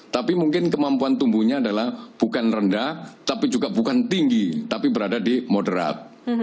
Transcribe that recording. tapi mungkin kemampuan tumbuhnya adalah bukan rendah tapi juga bukan tinggi tapi berada di moderat